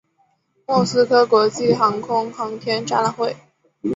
莫斯科国际航空航天展览会。